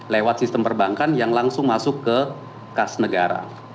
lewat sistem perbankan yang langsung masuk ke kas negara